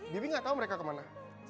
bibi gak tau mereka kemana